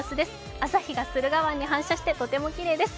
朝日が駿河湾に反射してとてもきれいです。